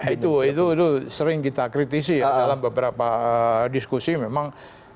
itu itu sering kita kritisi ya dalam beberapa diskusi memang